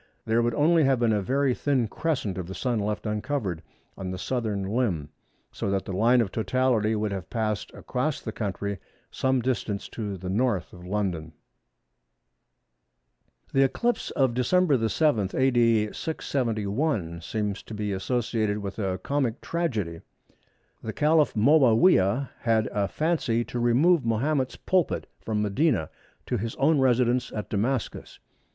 there would only have been a very thin crescent of the Sun left uncovered on the southern limb, so that the line of totality would have passed across the country some distance to the N. of London. The eclipse of Dec. 7, A.D. 671, seems to be associated with a comic tragedy. The Caliph Moawiyah had a fancy to remove Mahomet's pulpit from Medina to his own residence at Damascus.